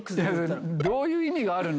どういう意味があるの？